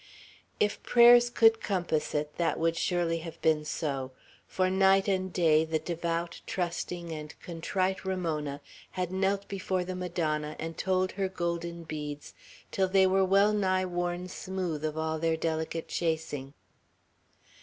If prayers could compass it, that would surely have been so; for night and day the devout, trusting, and contrite Ramona had knelt before the Madonna and told her golden beads, till they were wellnigh worn smooth of all their delicate chasing.